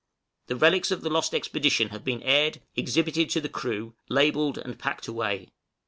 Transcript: The relics of the lost expedition have been aired, exhibited to the crew, labelled, and packed away.